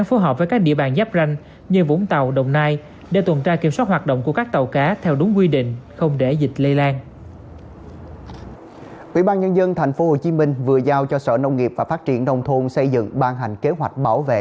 ủy ban nhân dân tp hcm vừa giao cho sở nông nghiệp và phát triển nông thôn xây dựng ban hành kế hoạch bảo vệ